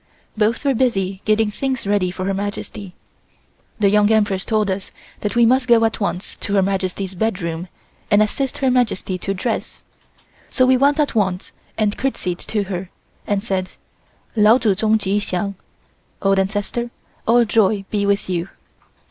Both were busy getting things ready for Her Majesty. The Young Empress told us that we must go at once to Her Majesty's bedroom and assist Her Majesty to dress, so we went at once and courtesied to her and said: "Lao Tsu Tsung Chi Hsiang" (old ancestor, all joy be with you).